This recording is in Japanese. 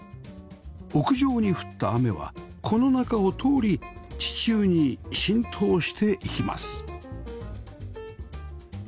屋上に降った雨はこの中を通り地中に浸透していきます